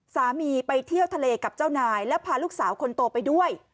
ไปเที่ยวทะเลกับเจ้านายแล้วพาลูกสาวคนโตไปด้วย